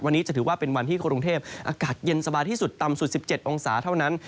วันนี้จะถือว่าเป็นวันที่กรุงเทพอากาศเย็นสบายที่สุดต่ำสุด๑๗องศาเท่านั้น